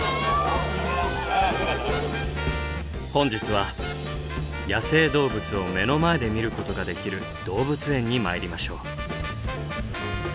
本日は野生動物を目の前で見ることができる動物園に参りましょう。